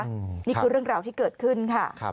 นี่คือเรื่องราวที่เกิดขึ้นค่ะ